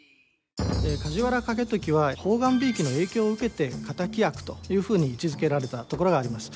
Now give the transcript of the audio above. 梶原景時は判官びいきの影響を受けて敵役というふうに位置づけられたところがあります。